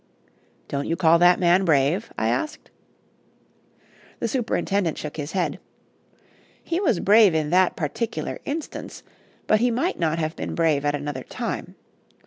"Don't you call that man brave?" I asked. The superintendent shook his head. "He was brave in that particular instance, but he might not have been brave at another time.